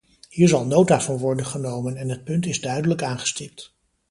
Hier zal nota van worden genomen, en het punt is duidelijk aangestipt.